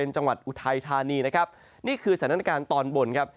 อุทัยธานีนะครับนี่คือสถานการณ์ตอนบนครับ